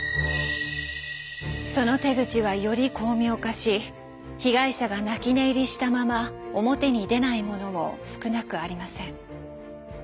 その手口はより巧妙化し被害者が泣き寝入りしたまま表に出ないものも少なくありません。